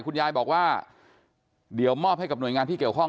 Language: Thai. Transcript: คุณยายบอกว่าเดี๋ยวมอบให้กับหน่วยงานที่เกี่ยวข้อง